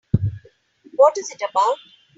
What is it about?